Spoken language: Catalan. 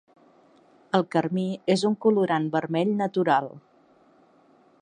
El carmí és un colorant vermell natural.